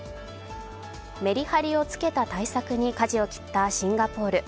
めりはりをつけた対策にかじを切ったシンガポール。